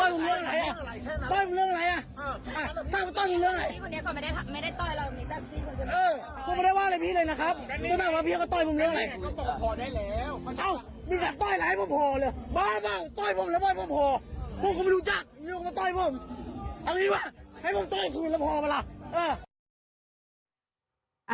เอางี้ว่าให้ผมต้อยคืนแล้วพอไหมล่ะ